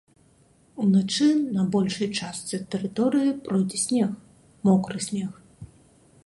Уначы на большай частцы тэрыторыі пройдзе снег, мокры снег.